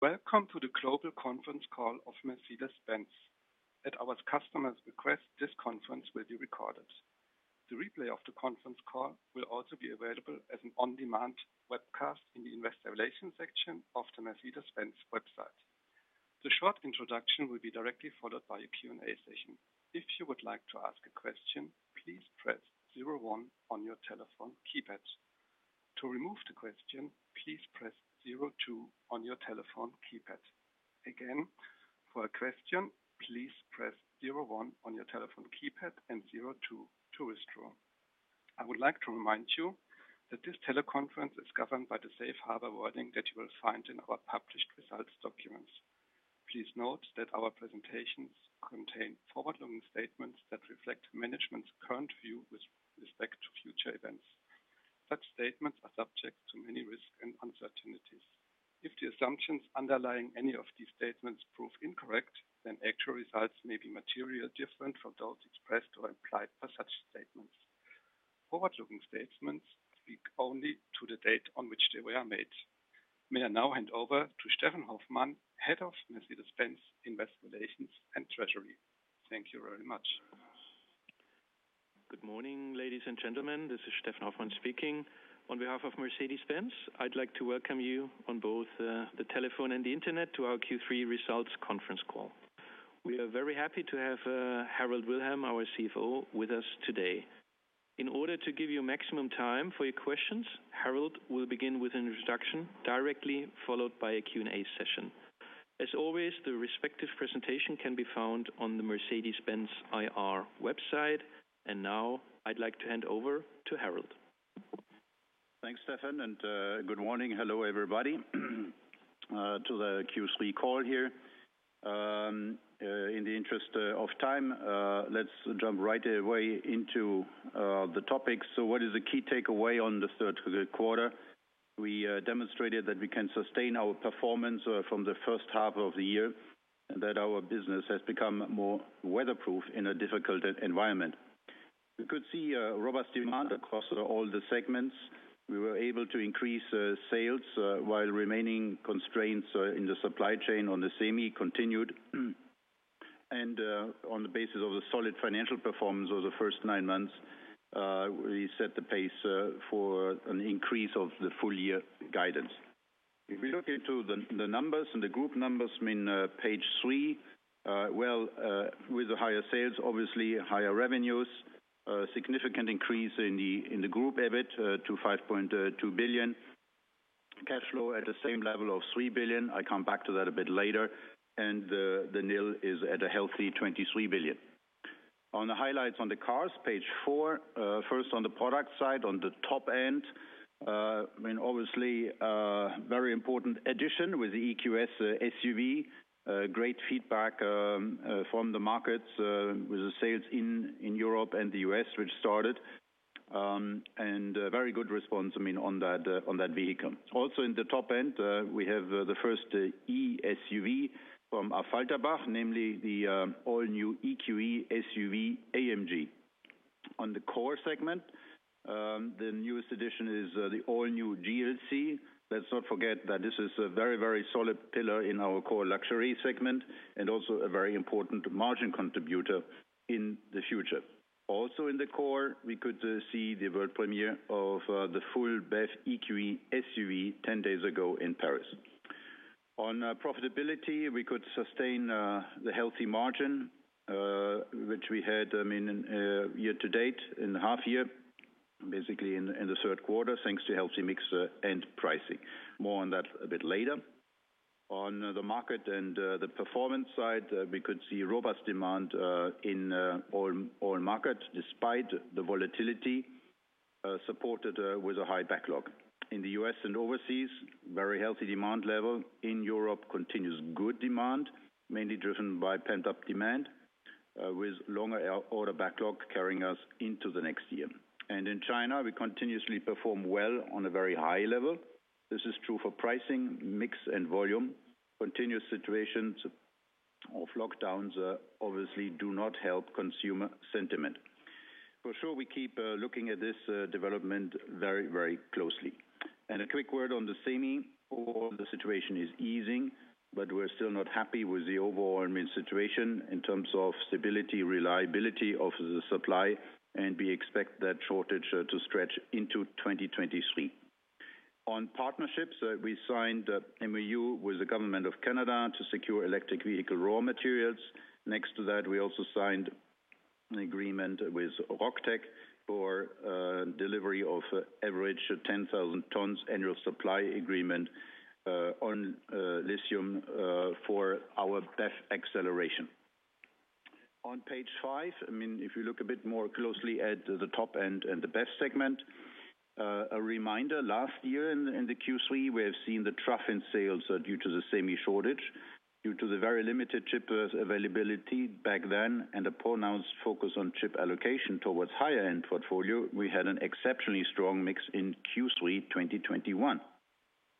Welcome to the global conference call of Mercedes-Benz. At our customer's request, this conference will be recorded. The replay of the conference call will also be available as an on-demand webcast in the investor relations section of the Mercedes-Benz website. The short introduction will be directly followed by a Q&A session. If you would like to ask a question, please press zero one on your telephone keypad. To remove the question, please press zero two on your telephone keypad. Again, for a question, please press zero one on your telephone keypad, and zero two to withdraw. I would like to remind you that this teleconference is governed by the safe harbor warning that you will find in our published results documents. Please note that our presentations contain forward-looking statements that reflect management's current view with respect to future events. Such statements are subject to many risks and uncertainties. If the assumptions underlying any of these statements prove incorrect, then actual results may be materially different from those expressed or implied by such statements. Forward-looking statements speak only to the date on which they were made. May I now hand over to Steffen Hoffmann, Head of Mercedes-Benz Investor Relations and Treasury. Thank you very much. Good morning, ladies and gentlemen. This is Steffen Hoffmann speaking. On behalf of Mercedes-Benz, I'd like to welcome you on both, the telephone and the Internet to our Q3 results conference call. We are very happy to have, Harald Wilhelm, our CFO, with us today. In order to give you maximum time for your questions, Harald will begin with an introduction, directly followed by a Q&A session. As always, the respective presentation can be found on the Mercedes-Benz IR website. Now I'd like to hand over to Harald. Thanks, Steffen, and good morning. Hello, everybody, to the Q3 call here. In the interest of time, let's jump right away into the topics. What is the key takeaway on the third quarter? We demonstrated that we can sustain our performance from the first half of the year, and that our business has become more weatherproof in a difficult environment. We could see robust demand across all the segments. We were able to increase sales while remaining constraints in the supply chain on the semi continued. On the basis of the solid financial performance of the first nine months, we set the pace for an increase of the full year guidance. If we look into the numbers and the group numbers in page three, well, with the higher sales, obviously higher revenues, a significant increase in the group EBIT to 5.2 billion. Cash flow at the same level of 3 billion. I come back to that a bit later. The NIL is at a healthy 23 billion. On the highlights on the cars, page four. First on the product side, on the top end, I mean, obviously a very important addition with the EQS SUV. Great feedback from the markets with the sales in Europe and the US, which started. And a very good response, I mean, on that vehicle. Also in the top end, we have the first E-SUV from Affalterbach, namely the all new AMG EQE SUV. On the core segment, the newest addition is the all new GLC. Let's not forget that this is a very, very solid pillar in our core luxury segment and also a very important margin contributor in the future. Also in the core, we could see the world premiere of the full BEV EQE SUV ten days ago in Paris. On profitability, we could sustain the healthy margin which we had, I mean, year to date in the half year, basically in the third quarter, thanks to healthy mix and pricing. More on that a bit later. On the market and the performance side, we could see robust demand in all markets, despite the volatility, supported with a high backlog. In the US and overseas, very healthy demand level. In Europe, continuous good demand, mainly driven by pent-up demand, with longer order backlog carrying us into the next year. In China, we continuously perform well on a very high level. This is true for pricing, mix, and volume. Continuous situations of lockdowns obviously do not help consumer sentiment. For sure, we keep looking at this development very, very closely. A quick word on the semi. Overall the situation is easing, but we're still not happy with the overall, I mean, situation in terms of stability, reliability of the supply, and we expect that shortage to stretch into 2023. On partnerships, we signed a MOU with the government of Canada to secure electric vehicle raw materials. Next to that, we also signed an agreement with Rock Tech for delivery of average 10,000 tons annual supply agreement on lithium for our BEV acceleration. On page five, I mean, if you look a bit more closely at the top end and the BEV segment, a reminder, last year in the Q3, we have seen the trough in sales due to the semiconductor shortage. Due to the very limited chip availability back then and a pronounced focus on chip allocation towards higher end portfolio, we had an exceptionally strong mix in Q3 2021.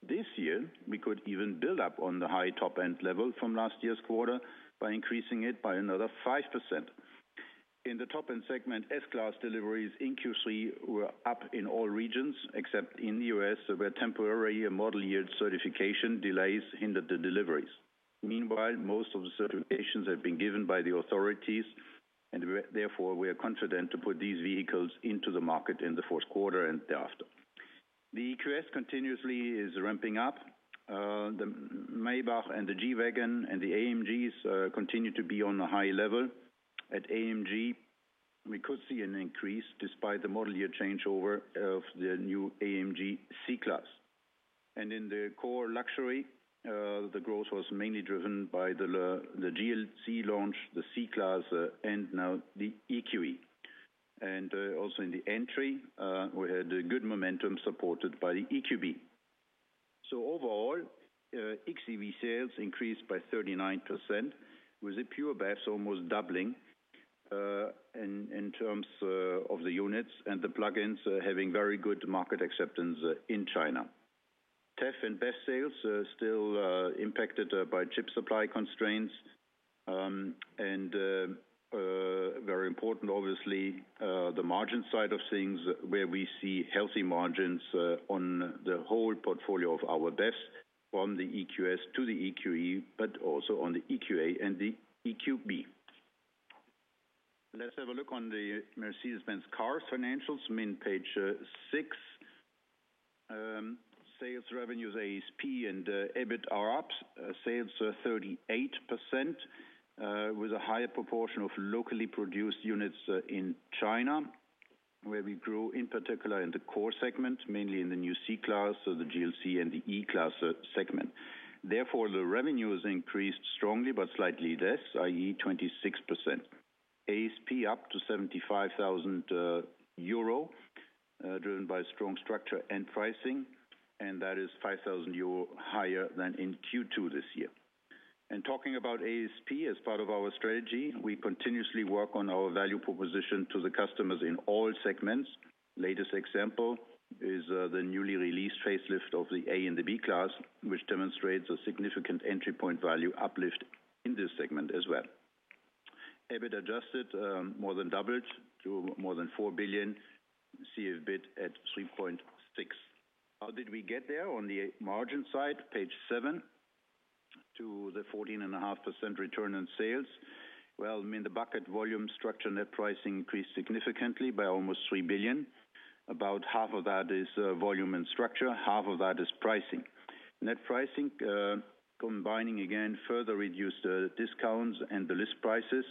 This year, we could even build up on the high top-end level from last year's quarter by increasing it by another 5%. In the top-end segment, S-Class deliveries in Q3 were up in all regions except in the U.S., where temporary model year certification delays hindered the deliveries. Meanwhile, most of the certifications have been given by the authorities, and we are therefore confident to put these vehicles into the market in the fourth quarter and thereafter. The EQS continuously is ramping up. The Maybach and the G-Class and the AMGs continue to be on a high level. At AMG, we could see an increase despite the model year changeover of the new AMG C-Class. In the core luxury, the growth was mainly driven by the GLC launch, the C-Class, and now the EQE. also in the entry, we had a good momentum supported by the EQB. Overall, XEV sales increased by 39%, with the pure BEVs almost doubling in terms of the units, and the plug-ins having very good market acceptance in China. XEV and BEV sales are still impacted by chip supply constraints. Very important obviously, the margin side of things, where we see healthy margins on the whole portfolio of our BEVs, from the EQS to the EQE, but also on the EQA and the EQB. Let's have a look on the Mercedes-Benz car financials. I mean, page six. Sales revenues, ASP, and EBIT are up. Sales are 38%, with a higher proportion of locally produced units in China, where we grew in particular in the core segment, mainly in the new C-Class, so the GLC and the E-Class segment. Therefore, the revenues increased strongly, but slightly less, i.e., 26%. ASP up to 75,000 euro, driven by strong structure and pricing, and that is 5,000 euro higher than in Q2 this year. Talking about ASP, as part of our strategy, we continuously work on our value proposition to the customers in all segments. Latest example is the newly released facelift of the A-Class and the B-Class, which demonstrates a significant entry point value uplift in this segment as well. EBIT adjusted more than doubled to more than 4 billion. CFBIT at 3.6 billion. How did we get there on the margin side Page seven, to the 14.5% return on sales. Well, I mean, the product volume structure net pricing increased significantly by almost 3 billion. About 1/2 of that is volume and structure, 1/2 of that is pricing. Net pricing coming from further reduced discounts and the list prices,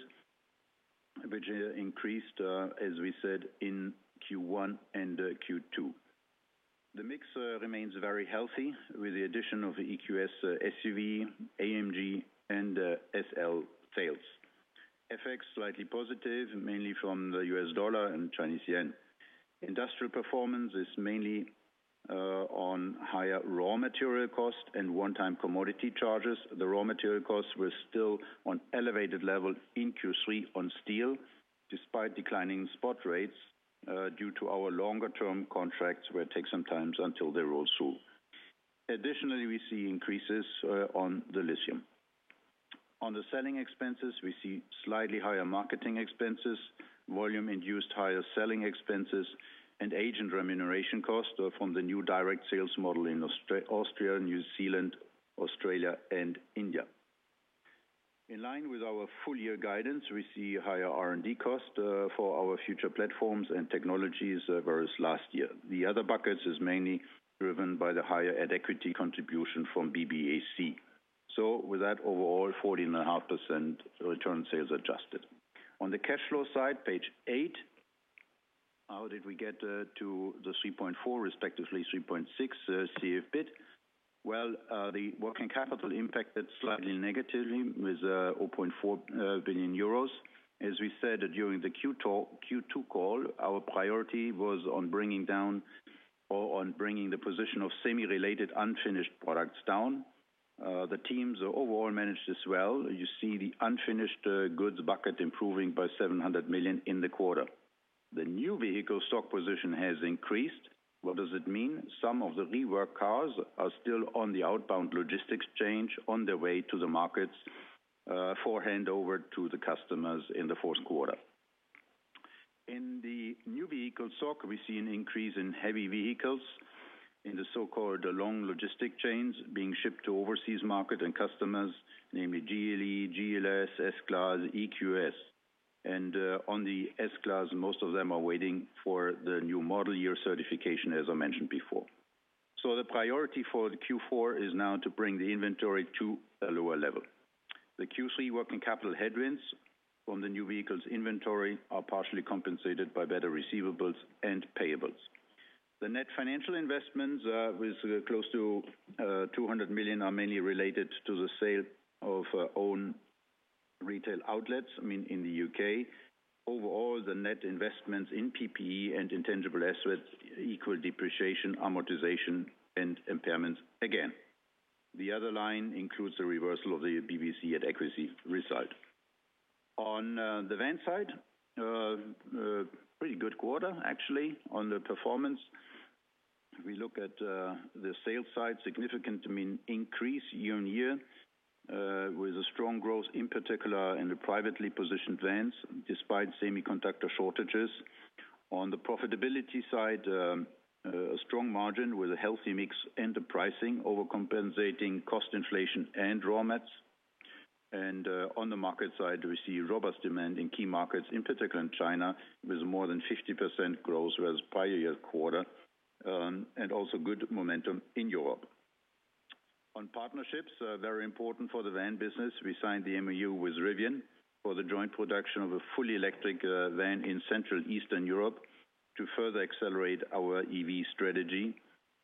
which increased, as we said in Q1 and Q2. The mix remains very healthy with the addition of EQS SUV, AMG, and SL sales. FX slightly positive, mainly from the U.S. dollar and Chinese yuan. Industrial performance is mainly on higher raw material costs and one-time commodity charges. The raw material costs were still on elevated levels in Q3 on steel, despite declining spot rates, due to our longer-term contracts will take some time until they roll through. Additionally, we see increases on the lithium. On the selling expenses, we see slightly higher marketing expenses, volume-induced higher selling expenses, and agent remuneration costs from the new direct sales model in Austria, New Zealand, Australia, and India. In line with our full-year guidance, we see higher R&D costs for our future platforms and technologies versus last year. The other buckets is mainly driven by the higher at-equity contribution from BBAC. With that, overall, 14.5% return on sales adjusted. On the cash flow side, page eight, how did we get to the 3.4CFBIT, respectively 3.6, CFBIT? Well, the working capital impacted slightly negatively with 0.4 billion euros. As we said during the Q2 call, our priority was on bringing down the position of semi-related unfinished products. The teams overall managed this well. You see the unfinished goods bucket improving by 700 million in the quarter. The new vehicle stock position has increased. What does it mean? Some of the rework cars are still on the outbound logistics chain on their way to the markets for handover to the customers in the fourth quarter. In the new vehicle stock, we see an increase in heavy vehicles in the so-called long logistic chains being shipped to overseas market and customers, namely GLE, GLS, S-Class, EQS. On the S-Class, most of them are waiting for the new model year certification, as I mentioned before. The priority for the Q4 is now to bring the inventory to a lower level. The Q3 working capital headwinds from the new vehicles inventory are partially compensated by better receivables and payables. The net financial investments with close to 200 million are mainly related to the sale of own retail outlets, I mean, in the U.K.. Overall, the net investments in PPE and intangible assets equal depreciation, amortization, and impairments again. The other line includes the reversal of the BBAC at-equity result. On the van side, pretty good quarter actually on the performance. We look at the sales side, significant, I mean, increase year-on-year with a strong growth, in particular in the privately positioned vans despite semiconductor shortages. On the profitability side, strong margin with a healthy mix and the pricing overcompensating cost inflation and raw materials. On the market side, we see robust demand in key markets, in particular in China, with more than 50% growth versus prior year quarter and also good momentum in Europe. On partnerships, very important for the van business. We signed the MOU with Rivian for the joint production of a fully electric van in Central Eastern Europe to further accelerate our EV strategy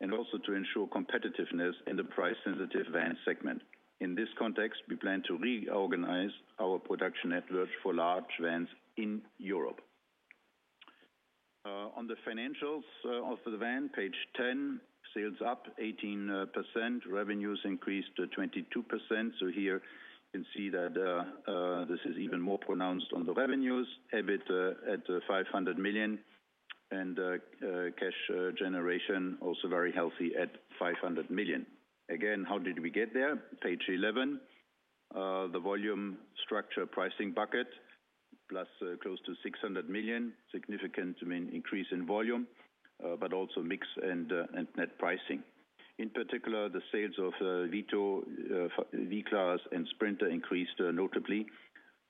and also to ensure competitiveness in the price-sensitive van segment. In this context, we plan to reorganize our production network for large vans in Europe. On the financials of the van, page 10, sales up 18%. Revenues increased 22%. Here you can see that this is even more pronounced on the revenues. EBIT at 500 million, and cash generation also very healthy at 500 million. Again, how did we get there? Page 11. The volume structure pricing bucket plus close to 600 million, significant, I mean, increase in volume, but also mix and net pricing. In particular, the sales of Vito, V-Class, and Sprinter increased notably.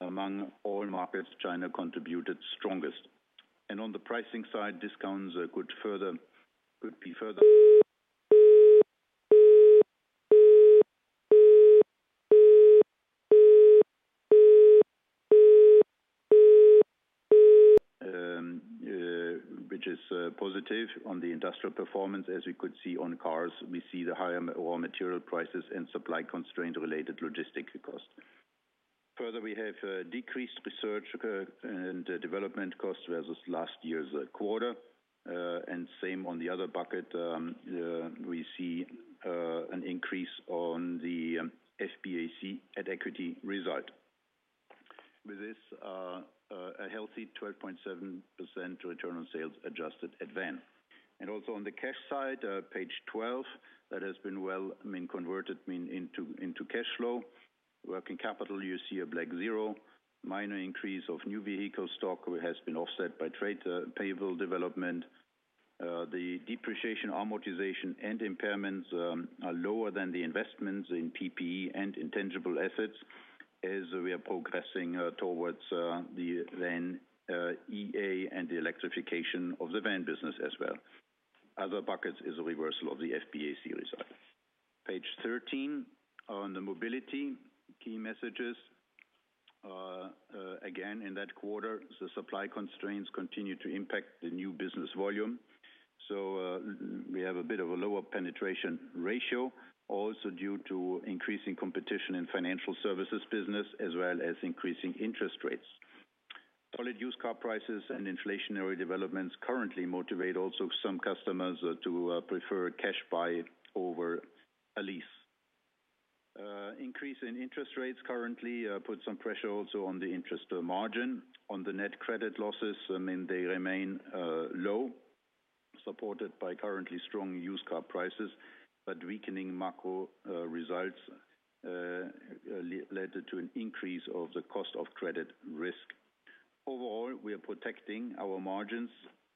Among all markets, China contributed strongest. On the pricing side, discounts could be further, which is positive on the industrial performance. As we could see on cars, we see the higher raw material prices and supply constraint-related logistics cost. Further, we have decreased research and development costs versus last year's quarter. Same on the other bucket, we see an increase on the FBAC at equity result. With this, a healthy 12.7% return on sales adjusted at van. Also on the cash side, page 12, that has been well, I mean, converted into cash flow. Working capital, you see a black zero. Minor increase of new vehicle stock has been offset by trade payable development. The depreciation, amortization, and impairments are lower than the investments in PPE and intangible assets as we are progressing towards the van EA and the electrification of the van business as well. Other buckets is a reversal of the FBAC result. Page 13 on the mobility key messages. Again, in that quarter, the supply constraints continue to impact the new business volume. We have a bit of a lower penetration ratio also due to increasing competition in financial services business as well as increasing interest rates. Solid used car prices and inflationary developments currently motivate also some customers to prefer a cash buy over a lease. Increase in interest rates currently put some pressure also on the interest margin. On the net credit losses, I mean, they remain low, supported by currently strong used car prices. Weakening macro results led to an increase of the cost of credit risk. Overall, we are protecting our margins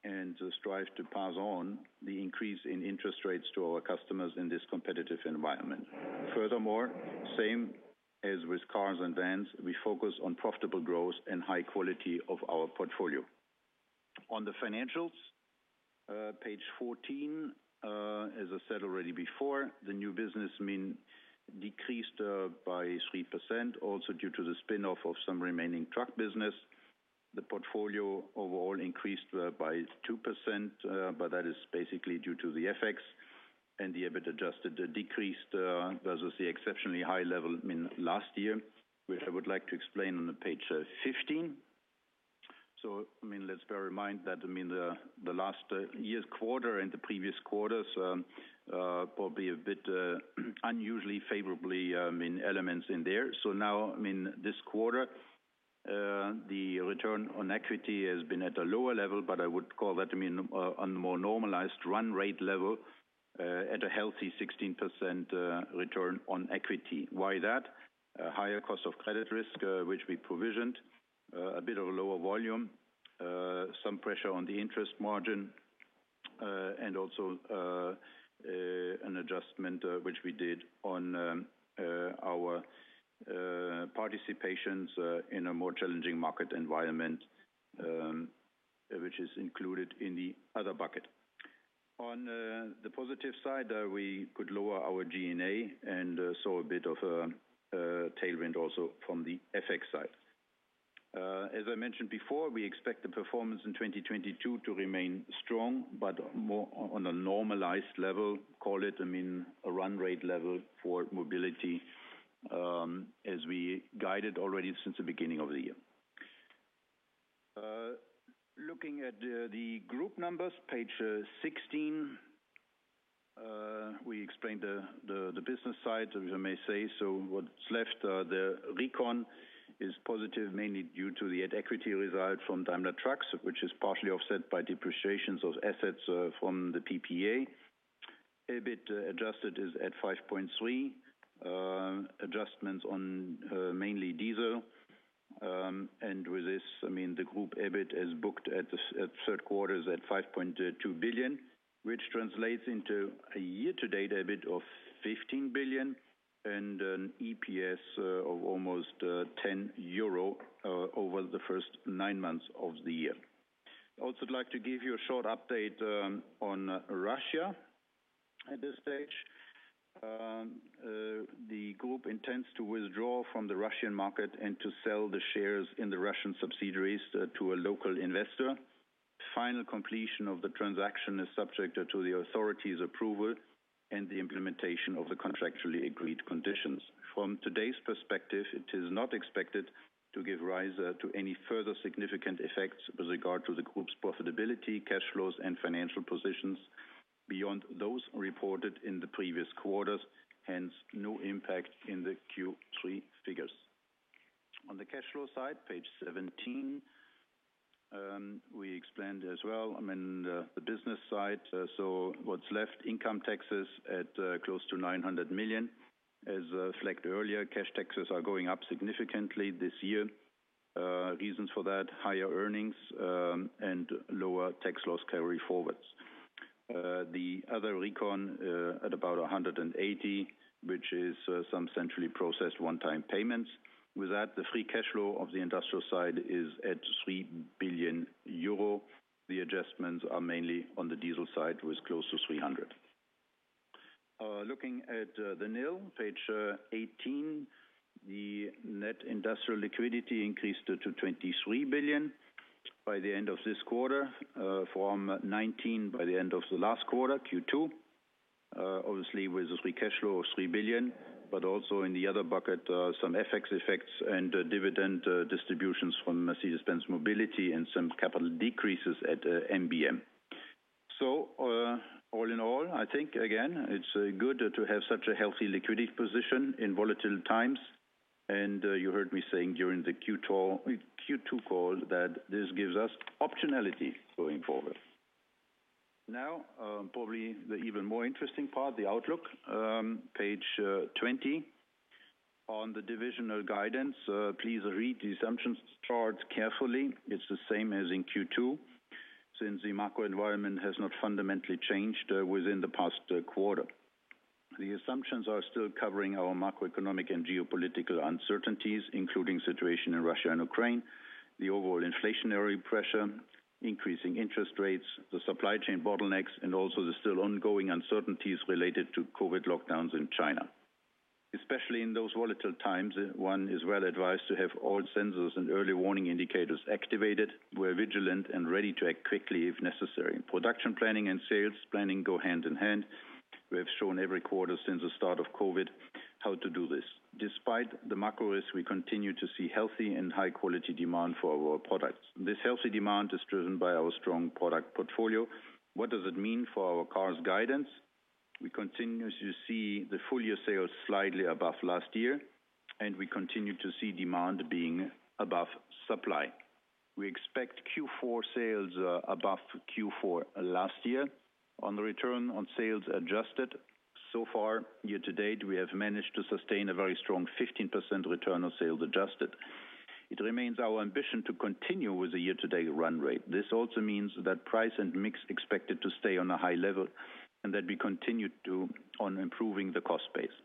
and strive to pass on the increase in interest rates to our customers in this competitive environment. Furthermore, same as with cars and vans, we focus on profitable growth and high quality of our portfolio. On the financials, page 14, as I said already before, the new business mean decreased by 3% also due to the spin-off of some remaining truck business. The portfolio overall increased by 2%, but that is basically due to the FX and the EBIT adjusted decreased versus the exceptionally high level, I mean, last year, which I would like to explain on the page 15. I mean, let's bear in mind that the last year's quarter and the previous quarters probably a bit unusually favorably, I mean, elements in there. Now, I mean, this quarter, the return on equity has been at a lower level, but I would call that, I mean, on more normalized run rate level at a healthy 16% return on equity. Why that? A higher cost of credit risk, which we provisioned, a bit of a lower volume, some pressure on the interest margin, and also an adjustment, which we did on our participations in a more challenging market environment, which is included in the other bucket. On the positive side, we could lower our G&A and saw a bit of a tailwind also from the FX side. As I mentioned before, we expect the performance in 2022 to remain strong, but more on a normalized level, call it, I mean, a run rate level for mobility, as we guided already since the beginning of the year. Looking at the group numbers, page 16. We explained the business side, as I may say. What's left, the recon is positive, mainly due to the at equity result from Daimler Truck, which is partially offset by depreciations of assets from the PPA. EBIT adjusted is at 5.3, adjustments on, mainly diesel. With this, I mean, the group EBIT is booked at the third quarter is at 5.2 billion, which translates into a year-to-date EBIT of 15 billion and an EPS of almost 10 euro over the first nine months of the year. I also would like to give you a short update on Russia at this stage. The group intends to withdraw from the Russian market and to sell the shares in the Russian subsidiaries to a local investor. Final completion of the transaction is subject to the authorities' approval and the implementation of the contractually agreed conditions. From today's perspective, it is not expected to give rise to any further significant effects with regard to the group's profitability, cash flows, and financial positions beyond those reported in the previous quarters, hence no impact in the Q3 figures. On the cash flow side, page 17, we explained as well, I mean, the business side. What's left, income taxes at close to 900 million. As reflected earlier, cash taxes are going up significantly this year. Reasons for that, higher earnings, and lower tax loss carryforwards. The other reconciliation at about 180, which is some centrally processed one-time payments. With that, the free cash flow of the industrial side is at 3 billion euro. The adjustments are mainly on the diesel side, with close to 300. Looking at the NIL, page 18. The net industrial liquidity increased to 23 billion by the end of this quarter, from 19 billion by the end of the last quarter, Q2. Obviously with the free cash flow of 3 billion, but also in the other bucket, some FX effects and dividend distributions from Mercedes-Benz Mobility and some capital decreases at MBM. All in all, I think again, it's good to have such a healthy liquidity position in volatile times. You heard me saying during the Q2 call that this gives us optionality going forward. Now, probably the even more interesting part, the outlook, page 20. On the divisional guidance, please read the assumptions charts carefully. It's the same as in Q2, since the macro environment has not fundamentally changed within the past quarter. The assumptions are still covering our macroeconomic and geopolitical uncertainties, including situation in Russia and Ukraine, the overall inflationary pressure, increasing interest rates, the supply chain bottlenecks, and also the still ongoing uncertainties related to COVID lockdowns in China. Especially in those volatile times, one is well advised to have all sensors and early warning indicators activated. We're vigilant and ready to act quickly if necessary. Production planning and sales planning go hand in hand. We have shown every quarter since the start of COVID how to do this. Despite the macro risk, we continue to see healthy and high-quality demand for our products. This healthy demand is driven by our strong product portfolio. What does it mean for our cars guidance? We continue to see the full year sales slightly above last year, and we continue to see demand being above supply. We expect Q4 sales above Q4 last year. On the return on sales adjusted, so far year-to-date, we have managed to sustain a very strong 15% return on sales adjusted. It remains our ambition to continue with the year-to-date run rate. This also means that price and mix expected to stay on a high level, and that we continue to work on improving the cost base.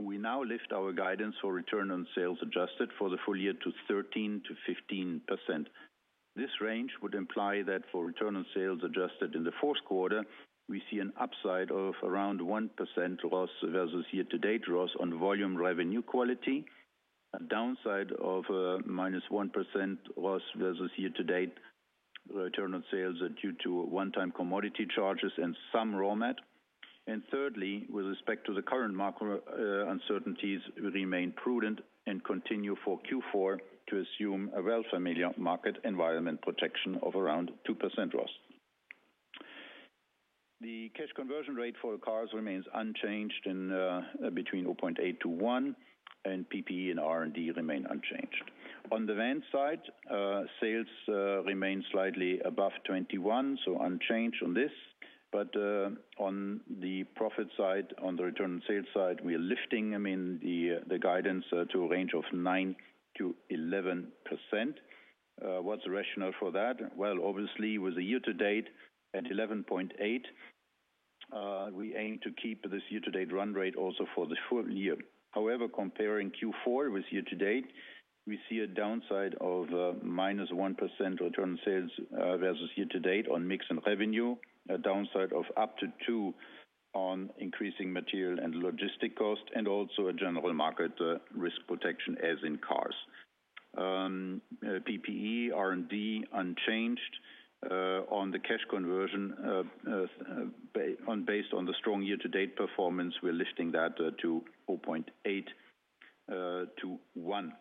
We now lift our guidance for return on sales adjusted for the full year to 13%-15%. This range would imply that for return on sales adjusted in the fourth quarter, we see an upside of around 1 percentage point versus year-to-date loss on volume revenue quality. A downside of -1% loss versus year-to-date return on sales due to one-time commodity charges and some raw materials. Thirdly, with respect to the current macro uncertainties, we remain prudent and continue for Q4 to assume a well-familiar market environment projection of around 2% loss. The cash conversion rate for cars remains unchanged in between 0.8-1, and PPE and R&D remain unchanged. On the van side, sales remain slightly above 21, so unchanged on this. On the profit side, on the return on sales side, we are lifting, I mean, the guidance to a range of 9%-11%. What's the rationale for that? Well, obviously, with the year-to-date at 11.8, we aim to keep this year-to-date run rate also for the full year. However, comparing Q4 with year-to-date, we see a downside of -1% return on sales versus year-to-date on mix and revenue. A downside of up to 2% on increasing material and logistics costs, and also a general market risk protection as in cars. PPE, R&D unchanged. On the cash conversion, based on the strong year-to-date performance, we're lifting that to 4.8 - 1.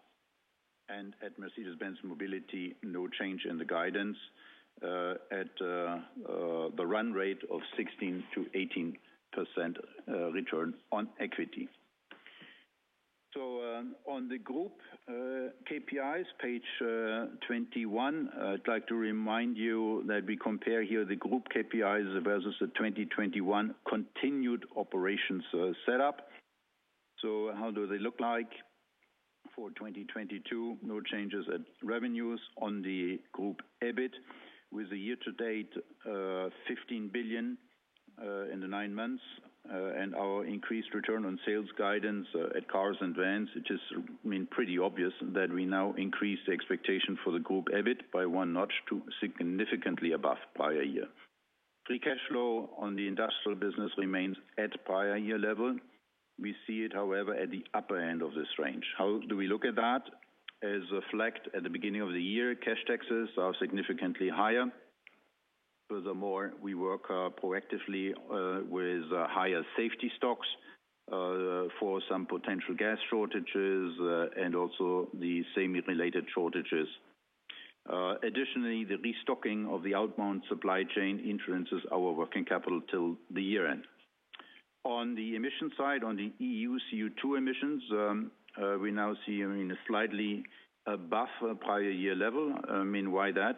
At Mercedes-Benz Mobility, no change in the guidance at the run rate of 16%-18% return on equity. On the group KPIs, page 21, I'd like to remind you that we compare here the group KPIs versus the 2021 continued operations setup. How do they look like for 2022? No changes in revenues on the group EBIT with a year to date, 15 billion, in the nine months. Our increased return on sales guidance for cars and vans, which is, I mean, pretty obvious that we now increase the expectation for the group EBIT by one notch to significantly above prior year. Free cash flow on the industrial business remains at prior year level. We see it, however, at the upper end of this range. How do we look at that? As reflected at the beginning of the year, cash taxes are significantly higher. Furthermore, we work proactively with higher safety stocks for some potential gas shortages and also the semiconductor-related shortages. Additionally, the restocking of the outbound supply chain influences our working capital till the year end. On the emission side, on the EU CO₂ emissions, we now see, I mean, a slightly above prior year level. I mean, why that?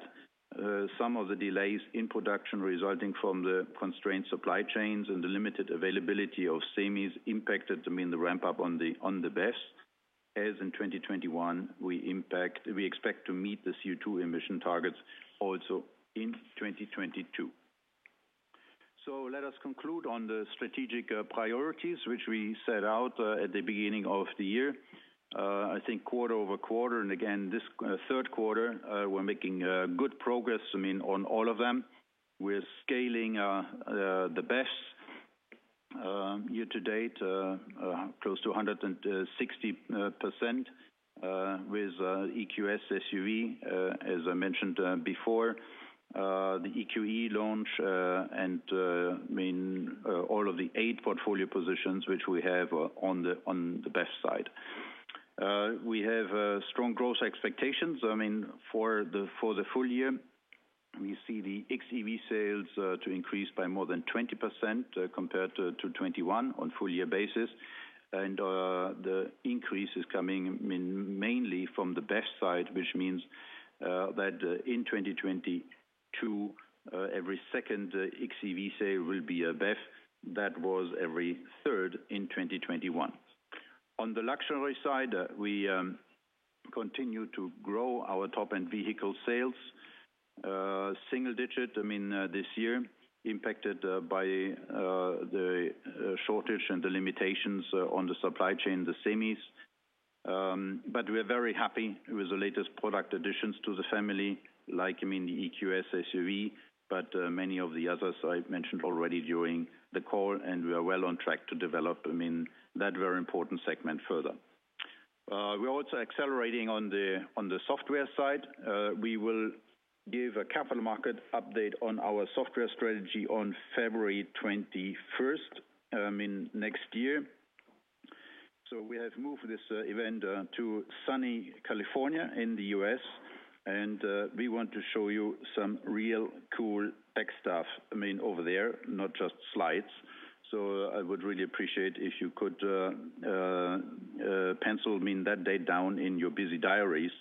Some of the delays in production resulting from the constrained supply chains and the limited availability of semis impacted, I mean, the ramp-up on the BEVs. As in 2021, we expect to meet the CO₂ emission targets also in 2022. Let us conclude on the strategic priorities which we set out at the beginning of the year. I think quarter-over-quarter, and again this third quarter, we're making good progress, I mean, on all of them. We're scaling the BEVs year to date close to 160% with EQS SUV as I mentioned before. The EQE launch, and I mean all of the eight portfolio positions which we have on the BEV side. We have strong growth expectations. I mean, for the full year, we see the XEV sales to increase by more than 20%, compared to 2021 on full year basis. The increase is coming, I mean, mainly from the BEV side, which means that in 2022, every second XEV sale will be a BEV. That was every third in 2021. On the luxury side, we continue to grow our top-end vehicle sales single digit, I mean, this year, impacted by the shortage and the limitations on the supply chain, the semis. We're very happy with the latest product additions to the family, like, I mean, the EQS SUV, but many of the others I mentioned already during the call, and we are well on track to develop, I mean, that very important segment further. We're also accelerating on the software side. We will give a capital market update on our software strategy on February twenty-first in next year. We have moved this event to sunny California in the U.S., and we want to show you some real cool tech stuff, I mean, over there, not just slides. I would really appreciate if you could pencil, I mean, that date down in your busy diaries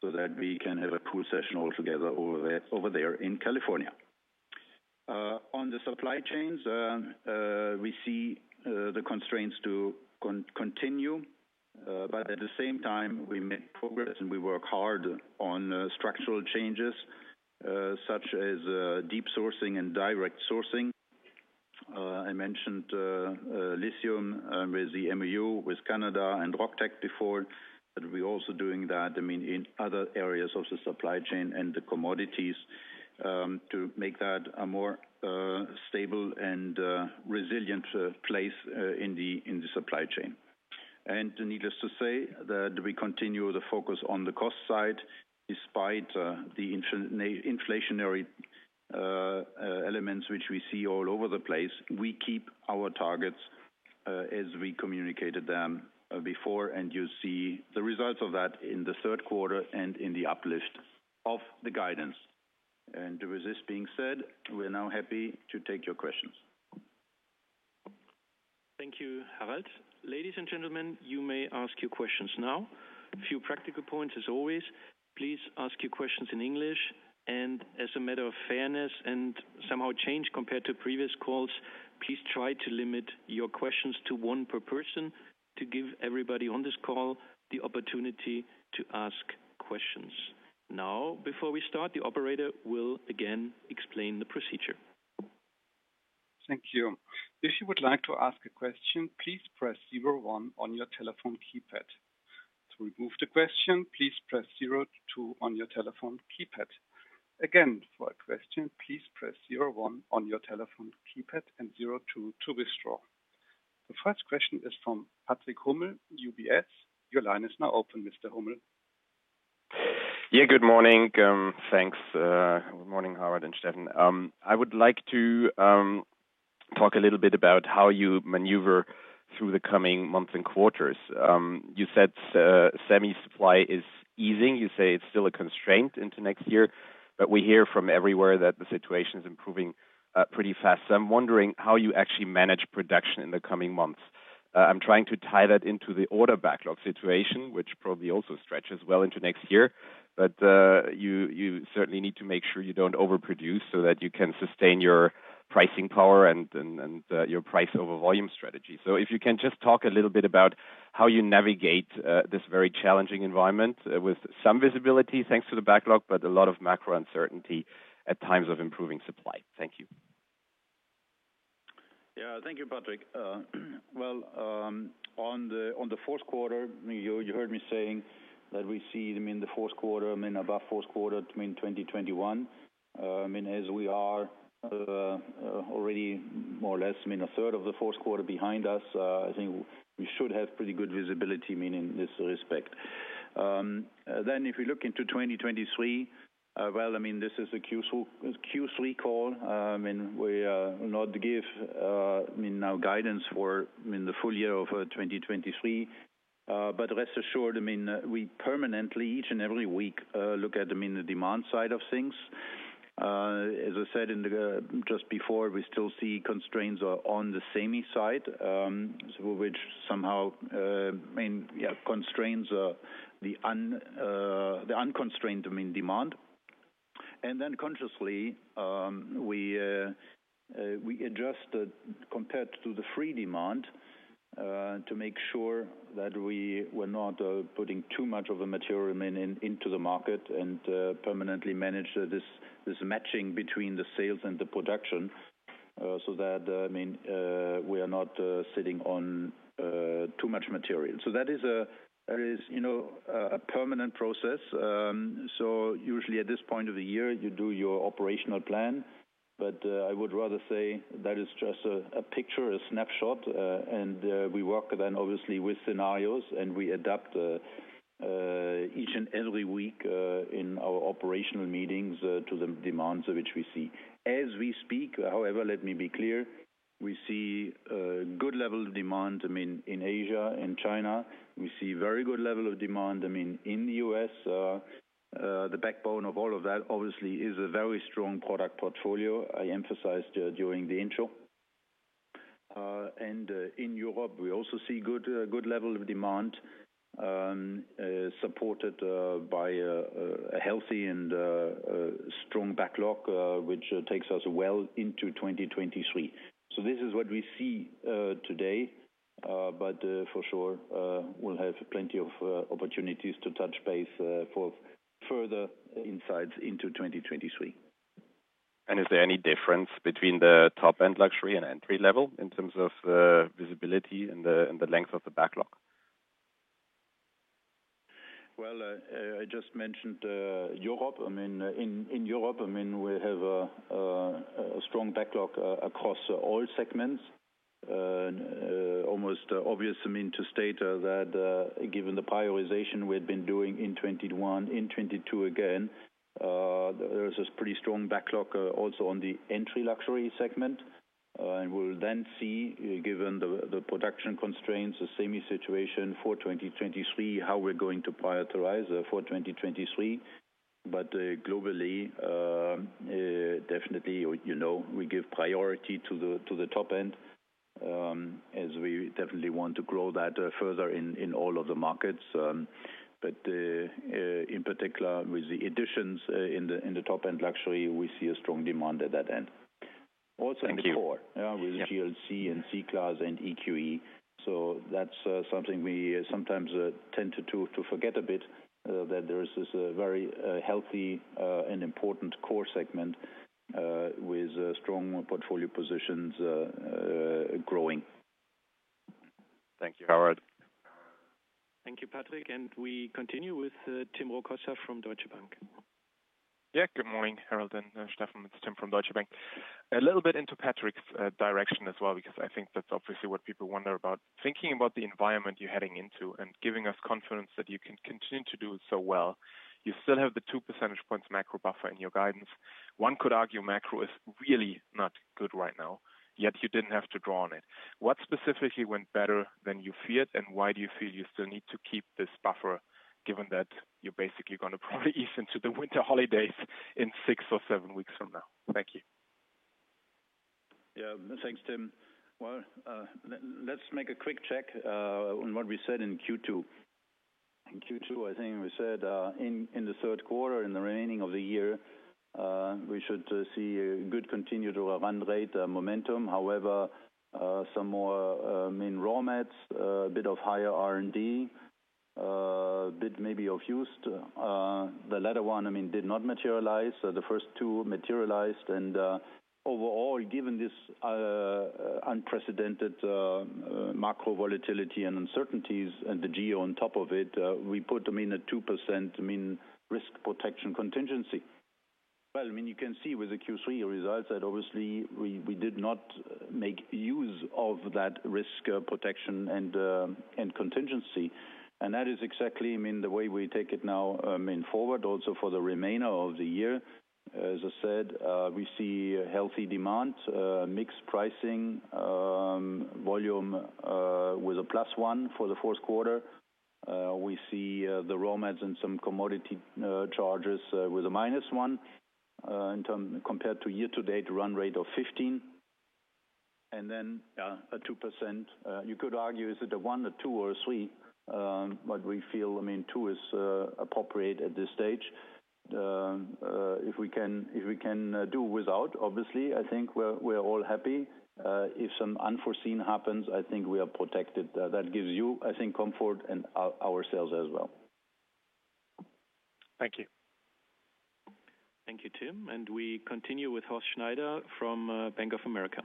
so that we can have a cool session all together over there in California. On the supply chains, we see the constraints to continue, but at the same time, we make progress, and we work hard on structural changes, such as deep sourcing and direct sourcing. I mentioned lithium with the MOU with Canada and Rock Tech before, but we're also doing that, I mean, in other areas of the supply chain and the commodities, to make that a more stable and resilient place in the supply chain. Needless to say that we continue the focus on the cost side despite the inflationary elements which we see all over the place. We keep our targets as we communicated them before, and you see the results of that in the third quarter and in the uplift of the guidance. With this being said, we're now happy to take your questions. Thank you, Harald. Ladies and gentlemen, you may ask your questions now. A few practical points as always. Please ask your questions in English, and as a matter of fairness and some change compared to previous calls, please try to limit your questions to one per person to give everybody on this call the opportunity to ask questions. Now, before we start, the operator will again explain the procedure. Thank you. If you would like to ask a question, please press zero-one on your telephone keypad. The first question is from Patrick Hummel, UBS. Your line is now open, Mr. Hummel. Yeah. Good morning. Thanks, good morning, Harald and Steffen. I would like to talk a little bit about how you maneuver through the coming months and quarters. You said semi supply is easing. You say it's still a constraint into next year, but we hear from everywhere that the situation is improving pretty fast. I'm wondering how you actually manage production in the coming months. I'm trying to tie that into the order backlog situation, which probably also stretches well into next year. You certainly need to make sure you don't overproduce so that you can sustain your pricing power and your price over volume strategy. If you can just talk a little bit about how you navigate this very challenging environment with some visibility, thanks to the backlog, but a lot of macro uncertainty at times of improving supply. Thank you. Yeah. Thank you, Patrick. On the fourth quarter, you heard me saying that we see them in the fourth quarter, I mean above fourth quarter between 2021. As we are already more or less, I mean, a third of the fourth quarter behind us, I think we should have pretty good visibility, meaning in this respect. Then if you look into 2023, I mean, this is a Q2-Q3 call. We will not give our guidance for the full year of 2023. Rest assured, I mean, we permanently each and every week look at them in the demand side of things. As I said just before, we still see constraints on the semi side, which somehow, I mean, yeah, constrains the unconstrained demand. Then consciously, we adjust compared to the free demand to make sure that we were not putting too much of a material remaining into the market and permanently manage this matching between the sales and the production, so that, I mean, we are not sitting on too much material. That is a permanent process. Usually at this point of the year, you do your operational plan. I would rather say that is just a picture, a snapshot. We work then obviously with scenarios, and we adapt each and every week in our operational meetings to the demands of which we see. As we speak, however, let me be clear, we see a good level of demand, I mean, in Asia, in China. We see very good level of demand, I mean, in the U.S.. The backbone of all of that obviously is a very strong product portfolio I emphasized during the intro. In Europe, we also see good level of demand supported by a healthy and strong backlog which takes us well into 2023. This is what we see today. For sure, we'll have plenty of opportunities to touch base for further insights into 2023. Is there any difference between the top-end luxury and entry-level in terms of visibility and the length of the backlog? Well, I just mentioned Europe. I mean, in Europe, I mean, we have a strong backlog across all segments. Almost obvious, I mean, to state that, given the prioritization we had been doing in 2021, in 2022 again, there's this pretty strong backlog, also on the entry luxury segment. We'll then see, given the production constraints, the semi situation for 2023, how we're going to prioritize for 2023. Globally, definitely, you know, we give priority to the top end, as we definitely want to grow that further in all of the markets. In particular with the additions in the top-end luxury, we see a strong demand at that end. Thank you. with GLC and C-Class and EQE. That's something we sometimes tend to forget a bit, that there is this very healthy and important core segment with a strong portfolio positions growing. Thank you, Harald. Thank you, Patrick. We continue with Tim Rokossa from Deutsche Bank. Yeah. Good morning, Harald and Steffen. It's Tim from Deutsche Bank. A little bit into Patrick's direction as well, because I think that's obviously what people wonder about. Thinking about the environment you're heading into and giving us confidence that you can continue to do so well, you still have the 2% points macro buffer in your guidance. One could argue macro is really not good right now, yet you didn't have to draw on it. What specifically went better than you feared, and why do you feel you still need to keep this buffer, given that you're basically going to probably ease into the winter holidays in six or seven weeks from now? Thank you. Yeah. Thanks, Tim. Well, let's make a quick check on what we said in Q2. In Q2, I think we said in the third quarter, in the remaining of the year, we should see a good continued run rate momentum. However, some more, I mean, raw materials, a bit higher R&D, a bit maybe of USD. The latter one, I mean, did not materialize. So the first two materialized. Overall, given this unprecedented macro volatility and uncertainties and the geopolitical on top of it, we built in a 2% risk protection contingency. You can see with the Q3 results that obviously we did not make use of that risk protection and contingency. That is exactly, I mean, the way we take it now, I mean, forward also for the remainder of the year. As I said, we see a healthy demand, mixed pricing, volume, with a +1 for the fourth quarter. We see the raw materials and some commodity charges with a -1 compared to year-to-date run rate of 15. Then a 2%, you could argue, is it a one, a two, or a three? But we feel, I mean, two is appropriate at this stage. If we can do without, obviously, I think we're all happy. If some unforeseen happens, I think we are protected. That gives you, I think, comfort and ourselves as well. Thank you. Thank you, Tim. We continue with Horst Schneider from Bank of America.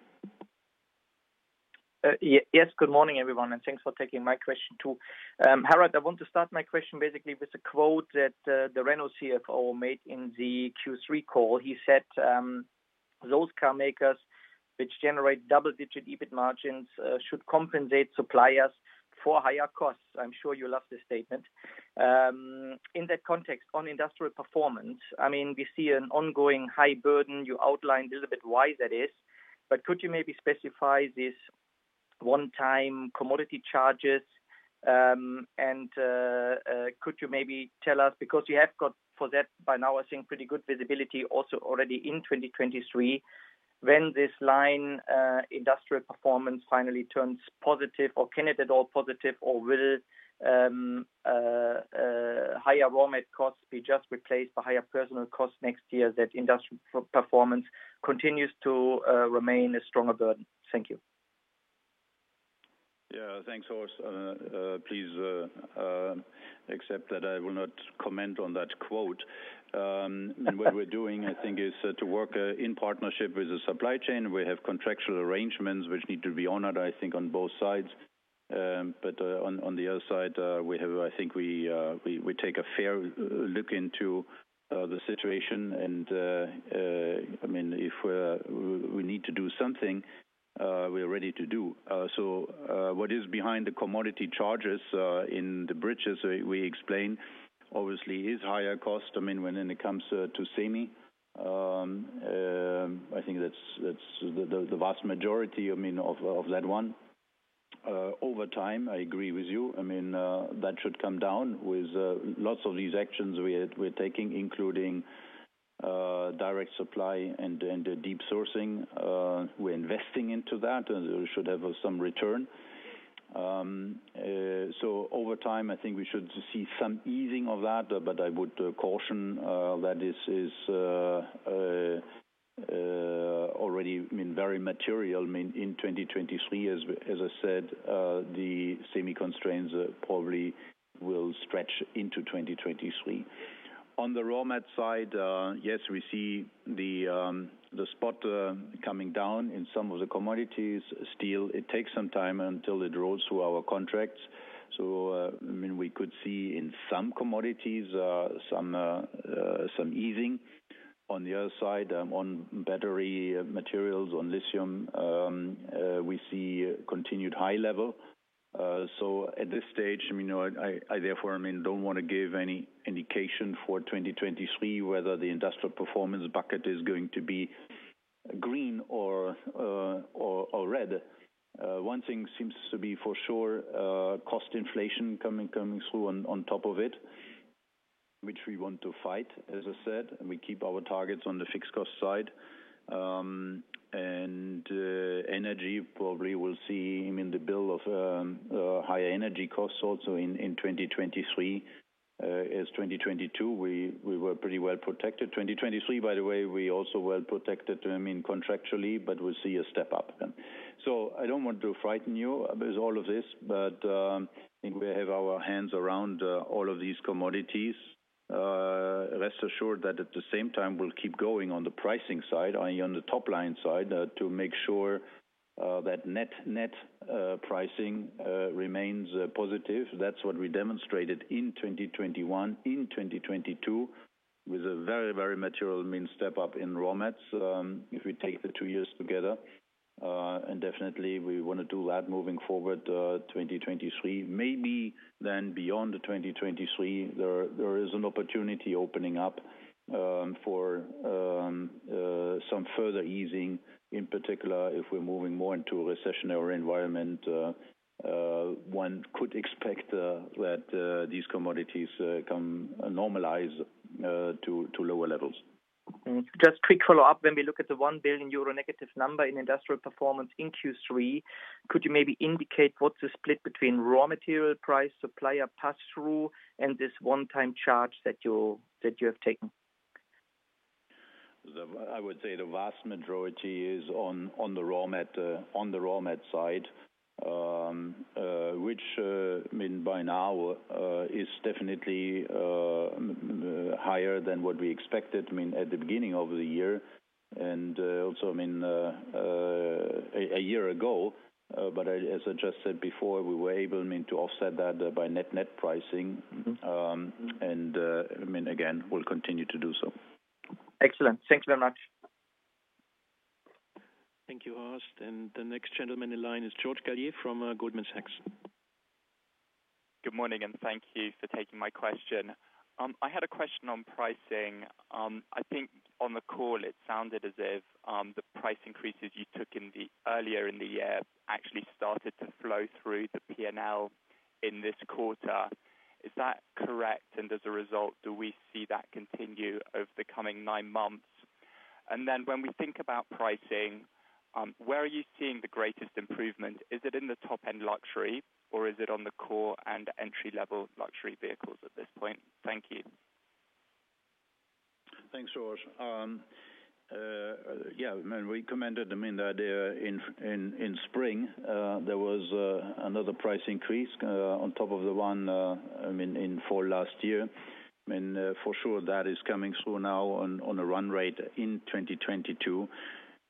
Yes, good morning, everyone, thanks for taking my question too. Harald, I want to start my question basically with a quote that, the Renault CFO made in the Q3 call. He said, those car makers which generate double-digit EBIT margins, should compensate suppliers for higher costs. I'm sure you love this statement. In that context, on industrial performance, we see an ongoing high burden. You outlined a little bit why that is. Could you maybe specify these one-time commodity charges, and could you maybe tell us, because you have got for that by now, I think, pretty good visibility also already in 2023, when this line, industrial performance finally turns positive, or can it at all positive, or will higher raw material costs be just replaced by higher personnel costs next year, that industrial performance continues to remain a stronger burden? Thank you. Yeah. Thanks, Horst. Please accept that I will not comment on that quote. What we're doing, I think, is to work in partnership with the supply chain. We have contractual arrangements which need to be honored, I think, on both sides. On the other side, we have, I think, we take a fair look into the situation and I mean, if we need to do something, we are ready to do. What is behind the commodity charges in the bridges we explained obviously is higher cost. I mean, when it comes to semi, I think that's the vast majority, I mean, of that one. Over time, I agree with you. I mean, that should come down with lots of these actions we're taking, including direct supply and deep sourcing. We're investing into that, and we should have some return. Over time, I think we should see some easing of that. I would caution that this is already, I mean, very material, I mean, in 2023. As I said, the semi constraints probably will stretch into 2023. On the raw mat side, yes, we see the spot coming down in some of the commodities. Steel, it takes some time until it rolls through our contracts. I mean, we could see in some commodities some easing. On the other side, on battery materials, on lithium, we see continued high level. At this stage, don't wanna give any indication for 2023 whether the industrial performance bucket is going to be green or red. One thing seems to be for sure, cost inflation coming through on top of it, which we want to fight, as I said, and we keep our targets on the fixed cost side. Energy probably we'll see the bill for higher energy costs also in 2023. As 2022, we were pretty well protected. 2023, by the way, we also well protected contractually, but we'll see a step up. I don't want to frighten you with all of this, but I think we have our arms around all of these commodities. Rest assured that at the same time, we'll keep going on the pricing side, on the top line side, to make sure that net pricing remains positive. That's what we demonstrated in 2021, in 2022, with a very material, I mean, step up in raw mats, if we take the two years together. Definitely we wanna do that moving forward, 2023. Maybe then beyond the 2023, there is an opportunity opening up for some further easing, in particular, if we're moving more into a recessionary environment, one could expect that these commodities can normalize to lower levels. Just quick follow-up. When we look at the 1 billion euro negative number in industrial performance in Q3, could you maybe indicate what's the split between raw material price, supplier passthrough, and this one-time charge that you have taken? I would say the vast majority is on the raw material side, which I mean by now is definitely higher than what we expected, I mean, at the beginning of the year here and also, I mean, a year ago. As I just said before, we were able, I mean, to offset that by net-net pricing. Mm-hmm. I mean, again, we'll continue to do so. Excellent. Thanks very much. Thank you, Horst. The next gentleman in line is George Galliers from Goldman Sachs. Good morning, and thank you for taking my question. I had a question on pricing. I think on the call it sounded as if the price increases you took in earlier in the year actually started to flow through the P&L in this quarter. Is that correct? As a result, do we see that continue over the coming nine months? Then when we think about pricing, where are you seeing the greatest improvement? Is it in the top-end luxury, or is it on the core and entry-level luxury vehicles at this point? Thank you. Thanks, George. Yeah, I mean, we commented, I mean, the idea in spring, there was another price increase on top of the one, I mean, in fall last year. I mean, for sure that is coming through now on a run rate in 2022.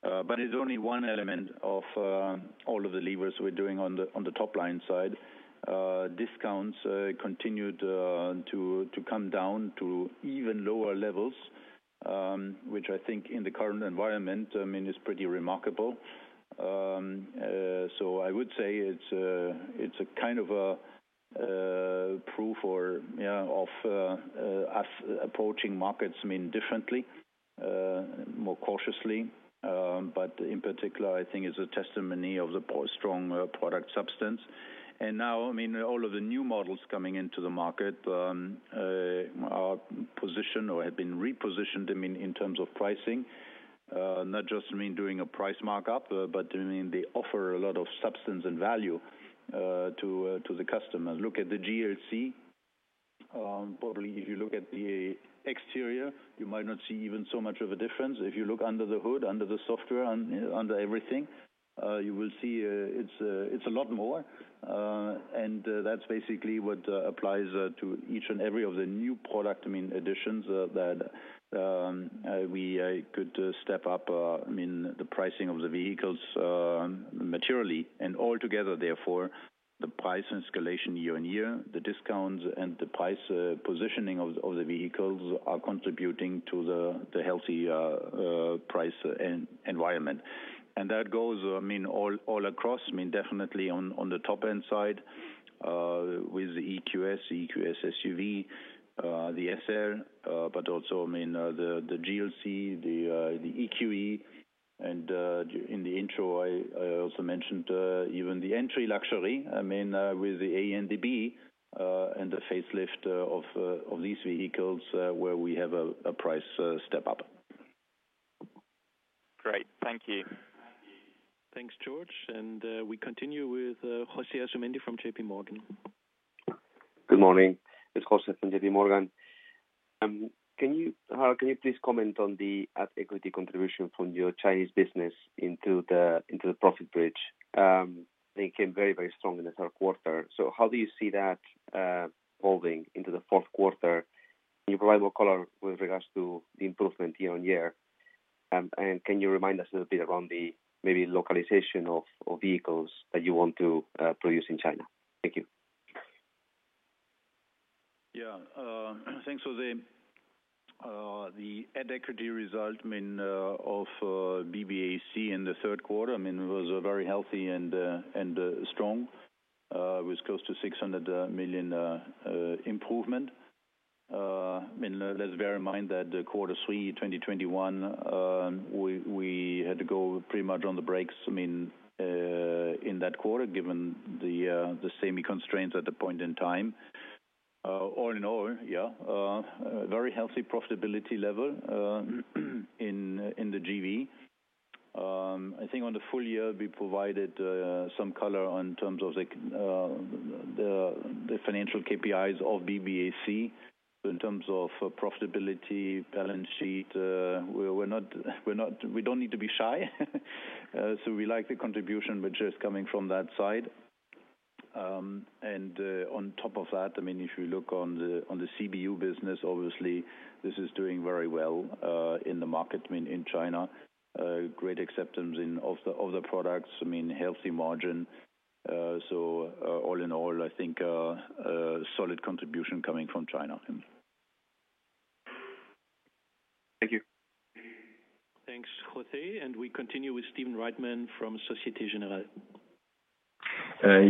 It's only one element of all of the levers we're doing on the top line side. Discounts continued to come down to even lower levels, which I think in the current environment, I mean, is pretty remarkable. I would say it's a kind of a proof or, you know, of approaching markets, I mean, differently, more cautiously. In particular, I think it's a testimony of the strong product substance. Now, I mean, all of the new models coming into the market are positioned or have been repositioned, I mean, in terms of pricing. Not just I mean doing a price markup, but I mean they offer a lot of substance and value to the customers. Look at the GLC. Probably if you look at the exterior, you might not see even so much of a difference. If you look under the hood, under the software, under everything, you will see it's a lot more. That's basically what applies to each and every of the new product, I mean, additions that we could step up, I mean, the pricing of the vehicles materially. Altogether therefore, the price escalation year on year, the discounts and the price positioning of the vehicles are contributing to the healthy price environment. That goes, I mean, all across. I mean, definitely on the top end side with the EQS, the EQS SUV, the SL, but also, I mean, the GLC, the EQE. In the intro I also mentioned even the entry luxury, I mean, with the A and the B, and the facelift of these vehicles, where we have a price step-up. Great. Thank you. Thanks, George. We continue with Jos`e Asumendi from JPMorgan. Good morning. It's Jose from JPMorgan. Can you please comment on the at-equity contribution from your Chinese business into the profit bridge? They came very, very strong in the third quarter. How do you see that evolving into the fourth quarter? Can you provide more color with regards to the improvement year-on-year? Can you remind us a little bit around the maybe localization of vehicles that you want to produce in China? Thank you. Yeah. Thanks, Jose. The at-equity result, I mean, of BBAC in the third quarter, I mean, was very healthy and strong. It was close to 600 million improvement. I mean, let's bear in mind that quarter 3, 2021, we had to go pretty much on the brakes, I mean, in that quarter, given the semi constraints at the point in time. All in all, yeah, a very healthy profitability level in the JV. I think on the full year we provided some color in terms of like the financial KPIs of BBAC. In terms of profitability, balance sheet, we're not. We don't need to be shy. We like the contribution which is coming from that side. On top of that, I mean, if you look on the CBU business, obviously this is doing very well in the market, I mean, in China. Great acceptance of the products, I mean, healthy margin. All in all, I think a solid contribution coming from China. Thank you. Thanks, José. We continue with Stephen Reitman from Société Générale.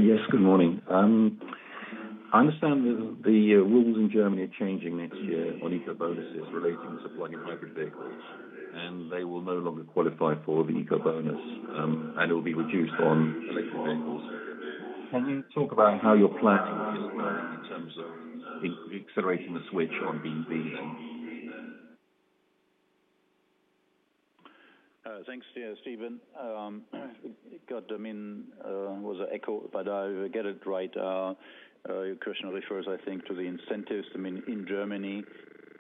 Yes. Good morning. I understand the rules in Germany are changing next year on eco bonuses relating to supplying hybrid vehicles, and they will no longer qualify for the eco bonus, and it will be reduced on electric vehicles. Can you talk about how you're planning in terms of accelerating the switch to BEV? Thanks, yeah, Stephen. God, I mean, what an echo, but I get it right. Your question refers, I think, to the incentives, I mean, in Germany.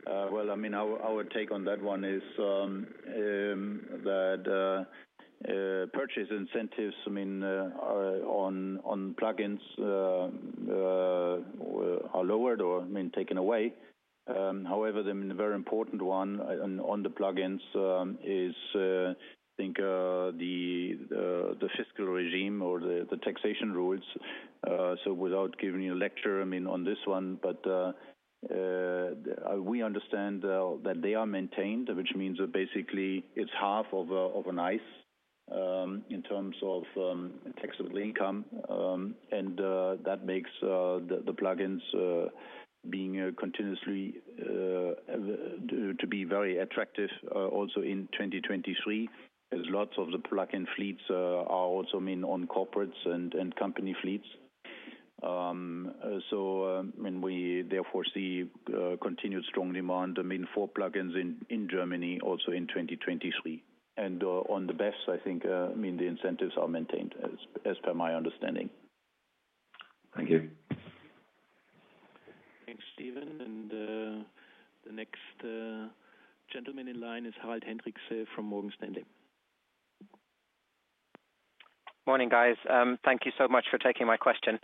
Well, I mean, our take on that one is that purchase incentives, I mean, on plug-ins are lowered or, I mean, taken away. However, I mean, the very important one on the plug-ins is, I think, the fiscal regime or the taxation rules. So without giving you a lecture, I mean, on this one, but we understand that they are maintained, which means that basically it's half of an ICE in terms of taxable income. That makes the plug-ins continuously to be very attractive also in 2023, as lots of the plug-in fleets are also, I mean, on corporates and company fleets. We therefore see continued strong demand, I mean, for plug-ins in Germany also in 2023. On the BEVs, I think, I mean, the incentives are maintained as per my understanding. Thank you. Thanks, Stephen. The next gentleman in line is Harald Hendrikse from Morgan Stanley. Morning, guys. Thank you so much for taking my question.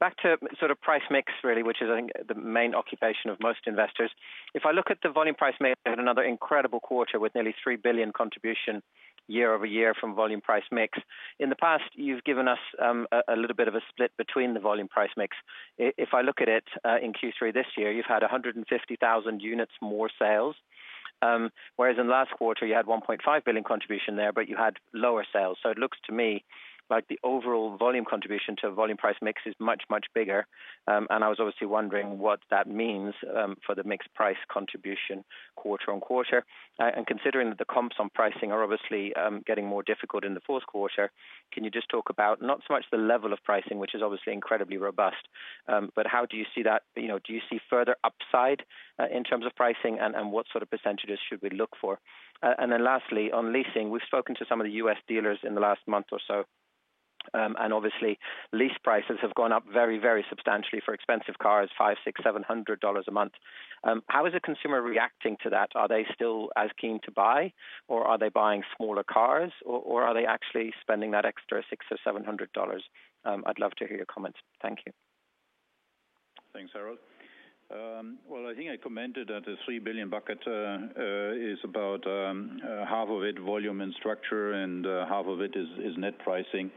Back to sort of price mix really, which is I think the main occupation of most investors. If I look at the volume price mix, they had another incredible quarter with nearly 3 billion contribution year-over-year from volume price mix. In the past, you've given us a little bit of a split between the volume price mix. If I look at it in Q3 this year, you've had 150,000 units more sales, whereas in last quarter you had 1.5 billion contribution there, but you had lower sales. It looks to me like the overall volume contribution to volume price mix is much, much bigger. I was obviously wondering what that means for the mix price contribution quarter-on-quarter. Considering that the comps on pricing are obviously getting more difficult in the fourth quarter, can you just talk about not so much the level of pricing, which is obviously incredibly robust, but how do you see that? You know, do you see further upside in terms of pricing, and what sort of percentages should we look for? And then lastly, on leasing, we've spoken to some of the U.S. dealers in the last month or so, and obviously lease prices have gone up very, very substantially for expensive cars, $500, $600, $700 a month. How is the consumer reacting to that? Are they still as keen to buy, or are they buying smaller cars, or are they actually spending that extra $600 or $700? I'd love to hear your comments. Thank you. Thanks, Harald. Well, I think I commented that the 3 billion bucket is about 1/2 of it volume and structure, and half of it is net pricing.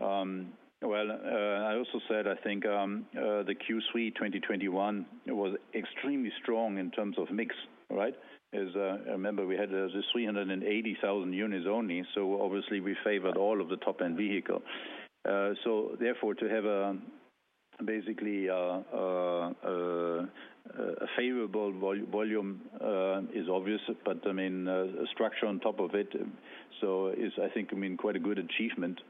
Well, I also said, I think, the Q3 2021 was extremely strong in terms of mix, right? Remember we had the 380,000 units only, so obviously we favored all of the top-end vehicle. So therefore to have basically a favorable volume is obvious, but I mean a structure on top of it, so is I think, I mean, quite a good achievement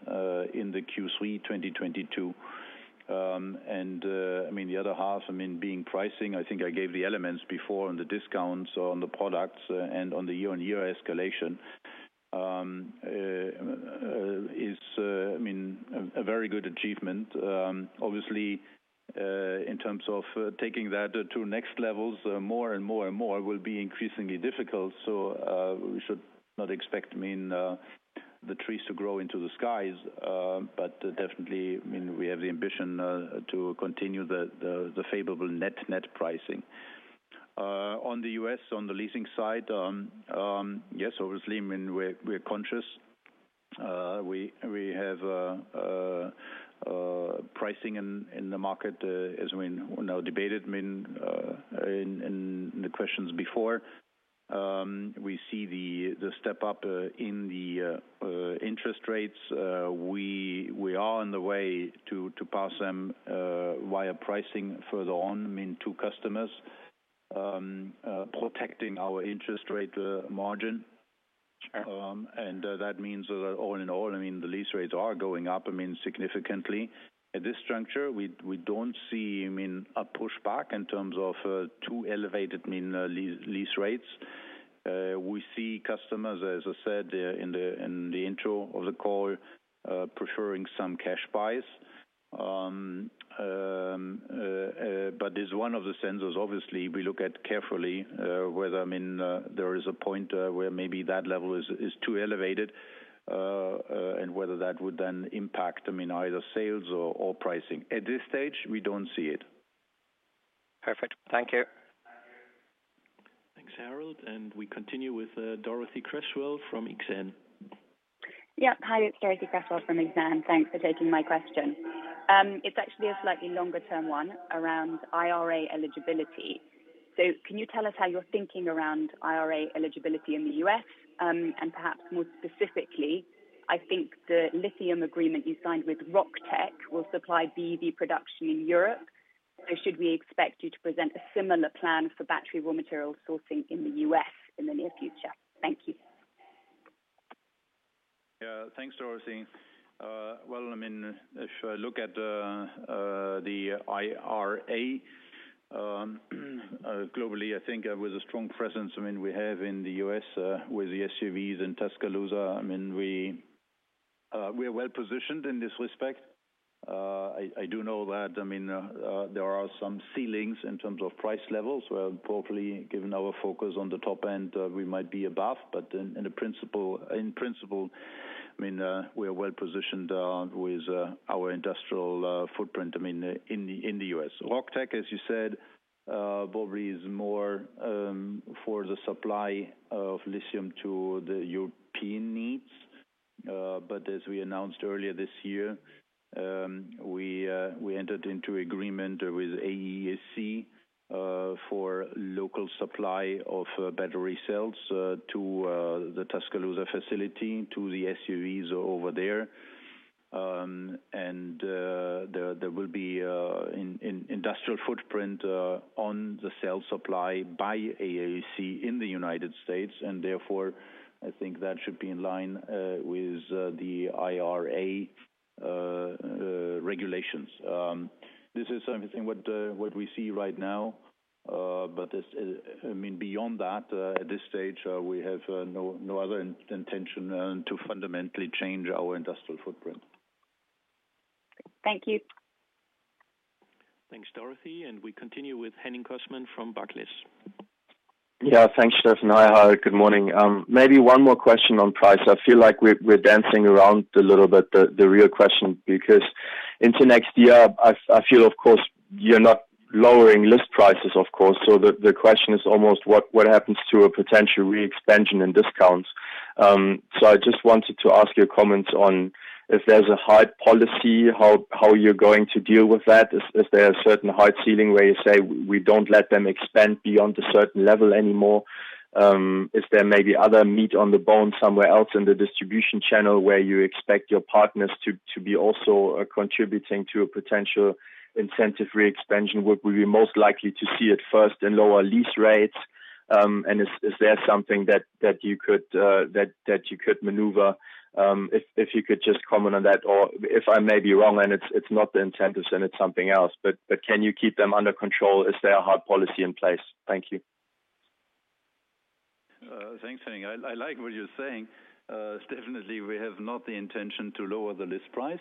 in the Q3 2022. I mean, the other 1/2, I mean, being pricing, I think I gave the elements before on the discounts on the products and on the year-on-year escalation. I mean, a very good achievement. Obviously, in terms of taking that to next levels more and more will be increasingly difficult. We should not expect, I mean, the trees to grow into the skies, but definitely, I mean, we have the ambition to continue the favorable net pricing. On the U.S., on the leasing side, yes, obviously, I mean, we're conscious. We have pricing in the market, as we now debated, I mean, in the questions before. We see the step up in the interest rates. We are on the way to pass them via pricing further on, I mean, to customers, protecting our interest rate margin. That means that all in all, I mean, the lease rates are going up, I mean, significantly. At this juncture, we don't see, I mean, a pushback in terms of too elevated, I mean, lease rates. We see customers, as I said, in the intro of the call, preferring some cash buys. It's one of the signs obviously we look at carefully, whether, I mean, there is a point where maybe that level is too elevated and whether that would then impact, I mean, either sales or pricing. At this stage, we don't see it. Perfect. Thank you. Thanks, Harald. We continue with Dorothee Cresswell from Exane BNP Paribas. Yeah. Hi, it's Dorothee Cresswell from Exane. Thanks for taking my question. It's actually a slightly longer term one around IRA eligibility. Can you tell us how you're thinking around IRA eligibility in the U.S.? Perhaps more specifically, I think the lithium agreement you signed with Rock Tech will supply BEV production in Europe. Should we expect you to present a similar plan for battery raw material sourcing in the U.S in the near future? Thank you. Yeah. Thanks, Dorothy. Well, I mean, if I look at the IRA globally, I think with a strong presence, I mean, we have in the U.S. with the SUVs in Tuscaloosa, I mean, we are well-positioned in this respect. I do know that, I mean, there are some ceilings in terms of price levels where probably given our focus on the top end, we might be above. In principle, I mean, we are well-positioned with our industrial footprint, I mean, in the U.S. Rock Tech, as you said, probably is more for the supply of lithium to the European needs. As we announced earlier this year, we entered into agreement with AESC for local supply of battery cells to the Tuscaloosa facility, to the SUVs over there. There will be an industrial footprint on the cell supply by AESC in the United States, and therefore I think that should be in line with the IRA regulations. This is something that we see right now, but this is I mean, beyond that, at this stage, we have no other intention to fundamentally change our industrial footprint. Thank you. Thanks, Dorothee. We continue with Henning Cosman from Barclays. Yeah. Thanks, Steffen. Hi, Harald. Good morning. Maybe one more question on price. I feel like we're dancing around a little bit the real question, because into next year I feel, of course, you're not lowering list prices, of course. The question is almost what happens to a potential re-expansion and discounts. I just wanted to ask your comments on if there's a hard policy, how you're going to deal with that. Is there a certain hard ceiling where you say, "We don't let them expand beyond a certain level anymore"? Is there maybe other meat on the bone somewhere else in the distribution channel where you expect your partners to be also contributing to a potential incentive re-expansion? What we're most likely to see at first in lower lease rates, and is there something that you could maneuver? If you could just comment on that or if I may be wrong and it's not the incentives and it's something else, but can you keep them under control? Is there a hard policy in place? Thank you. Thanks, Henning. I like what you're saying. Definitely we have not the intention to lower the list price.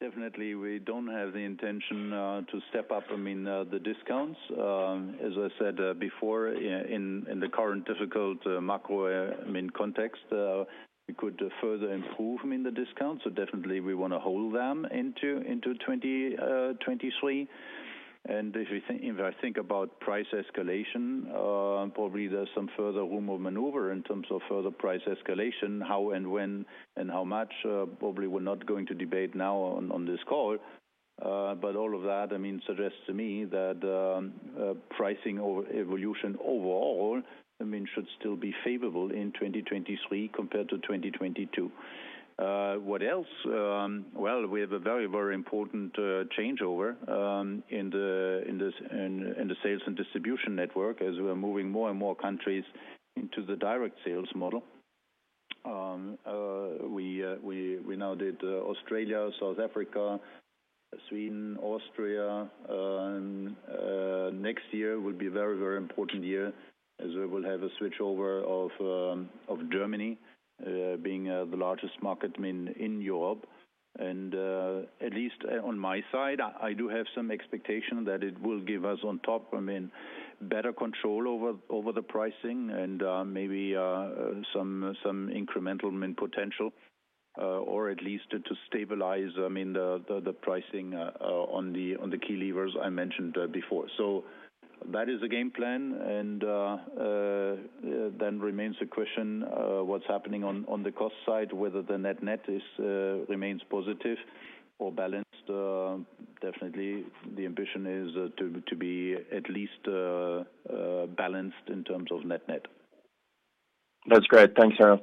Definitely we don't have the intention to step up, I mean, the discounts. As I said before, in the current difficult macro context, I mean, we could further improve in the discounts. Definitely we wanna hold them into 2023. If I think about price escalation, probably there's some further room of maneuver in terms of further price escalation. How and when and how much, probably we're not going to debate now on this call. All of that, I mean, suggests to me that pricing power evolution overall, I mean, should still be favorable in 2023 compared to 2022. What else? Well, we have a very important changeover in the sales and distribution network as we're moving more and more countries into the direct sales model. We now did Australia, South Africa, Sweden, Austria. Next year will be a very important year as we will have a switchover of Germany being the largest market in Europe. At least on my side, I do have some expectation that it will give us on top, I mean, better control over the pricing and maybe some incremental margin potential, or at least to stabilize, I mean, the pricing on the key levers I mentioned before. That is the game plan and then remains the question, what's happening on the cost side, whether the net-net remains positive or balanced. Definitely the ambition is to be at least balanced in terms of net. That's great. Thanks, Harald.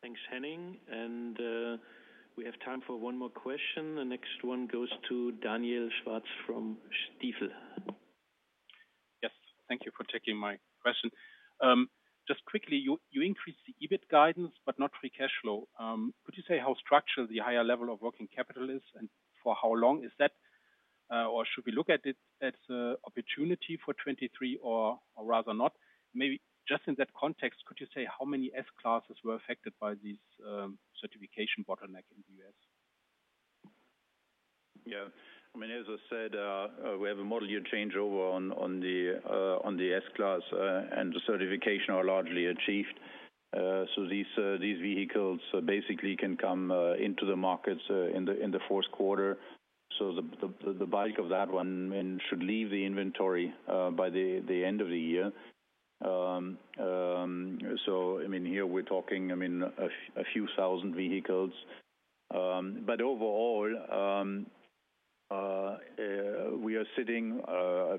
Thanks, Henning. We have time for one more question. The next one goes to Daniel Schwarz from Stifel. Yes. Thank you for taking my question. Just quickly, you increased the EBIT guidance but not free cash flow. Could you say how structural the higher level of working capital is, and for how long is that? Or should we look at it as a opportunity for 2023 or rather not? Maybe just in that context, could you say how many S-Class were affected by these certification bottleneck in the U.S.? I mean, as I said, we have a model year changeover on the S-Class, and the certification are largely achieved. These vehicles basically can come into the markets in the fourth quarter. The bulk of that one should leave the inventory by the end of the year. I mean, here we're talking a few thousand vehicles. Overall, I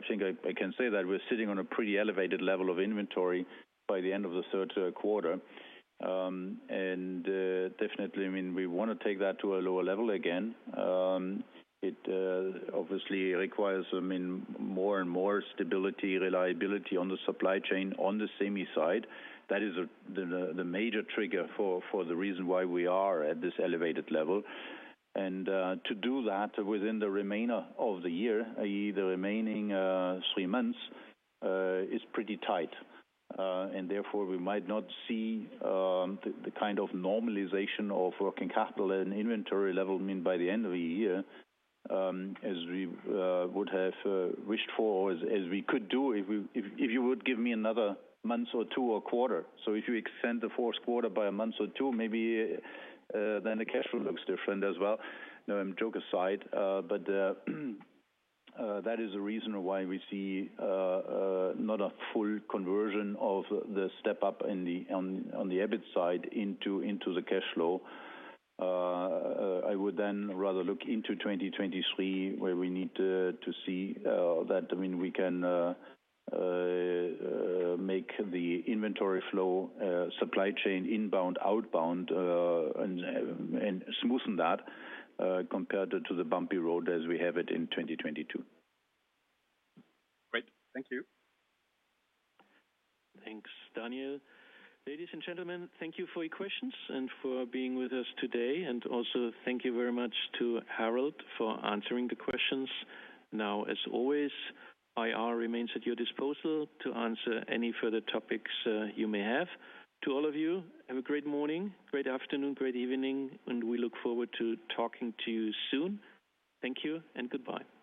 think I can say that we're sitting on a pretty elevated level of inventory by the end of the third quarter. Definitely, I mean, we wanna take that to a lower level again. It obviously requires, I mean, more and more stability, reliability on the supply chain on the semi side. That is the major trigger for the reason why we are at this elevated level. To do that within the remainder of the year, i.e., the remaining three months, is pretty tight. Therefore we might not see the kind of normalization of working capital and inventory level, I mean, by the end of the year, as we would have wished for or as we could do if you would give me another month or two or quarter. If you extend the fourth quarter by a month or two, maybe, then the cash flow looks different as well. No, joke aside, but that is the reason why we see not a full conversion of the step up on the EBIT side into the cash flow. I would then rather look into 2023 where we need to see that, I mean, we can make the inventory flow, supply chain inbound, outbound, and smoothen that compared to the bumpy road as we have it in 2022. Great. Thank you. Thanks, Daniel. Ladies and gentlemen, thank you for your questions and for being with us today. Thank you very much to Harald for answering the questions. Now, as always, IR remains at your disposal to answer any further topics, you may have. To all of you, have a great morning, great afternoon, great evening, and we look forward to talking to you soon. Thank you and goodbye.